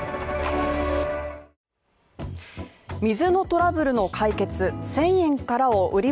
水のトラブルの解決、１０００円からを売り